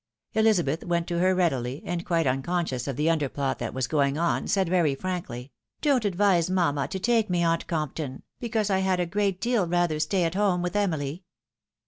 Elizabeth went to her readily, and quite unconscious of the imderplot that was going on, said very frankly, —" Don't advise mamma to take me, aunt Compton, because I had a great deal rather stay at home with Emily."